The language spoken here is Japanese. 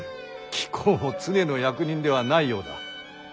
貴公も常の役人ではないようだ。